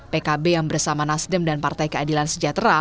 pkb yang bersama nasdem dan partai keadilan sejahtera